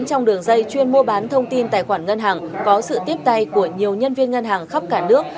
trong quá trình tài khoản ngân hàng có sự tiếp tay của nhiều nhân viên ngân hàng khắp cả nước